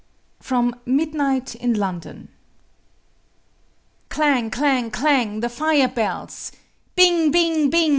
FROM "MIDNIGHT IN LONDON" Clang! Clang! Clang! the fire bells! Bing! Bing! Bing!